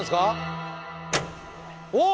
おっ！